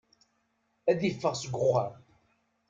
Ad iffeɣ seg uxxam.